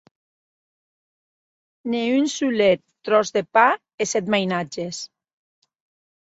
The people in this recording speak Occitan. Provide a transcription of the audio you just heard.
Ne un solet tròç de pan e sèt mainatges!